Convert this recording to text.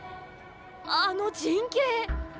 あの陣形！